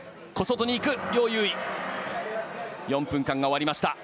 ４分間が終わりました。